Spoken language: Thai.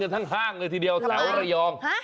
ทั้งห้างเลยทีเดียวแถวระยอง